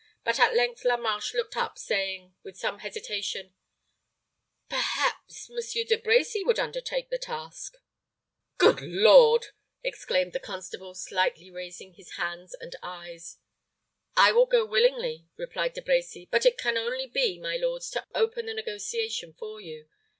But at length La Marche looked up, saying, with some hesitation, "Perhaps Monsieur De Brecy would undertake the task?" "Good Lord!" exclaimed the constable, slightly raising his hands and eyes. "I will go willingly," replied De Brecy; "but it can only be, my lords, to open the negotiation for you.